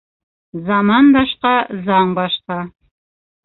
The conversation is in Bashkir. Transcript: Заман башҡа, заң башҡа.